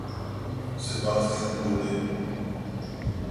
Sebastian Bonnet